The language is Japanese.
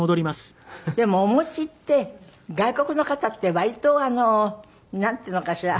でもお餅って外国の方って割となんていうのかしら。